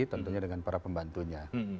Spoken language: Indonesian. tentunya dengan para pembantunya